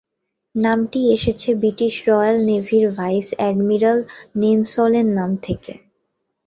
নামটি এসেছে British royal নেভির ভাইস-এডমিরাল নেলসনের নাম থেকে।